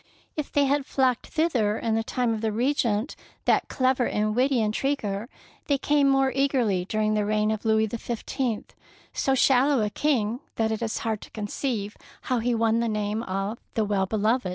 If they had fiocked thither in the time of the Regent, that clever and witty intriguer, they came more eagerly dur ing the reign of Louis XV, so shallow a king that it is hard to conceive how he won the name of " The Well beloved."